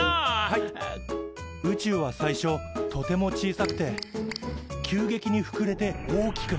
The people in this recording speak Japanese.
はい宇宙は最初とても小さくて急激にふくれて大きくなった。